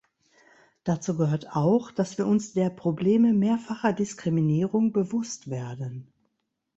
Dazu gehört auch, dass wir uns der Probleme mehrfacher Diskriminierung bewusst werden.